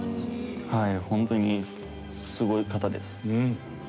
はい、本当にすごい方です。